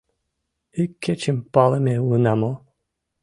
Ик кечым палыме улына мо?